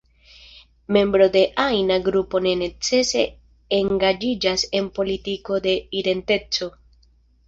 Membro de ajna grupo ne necese engaĝiĝas en politiko de identeco.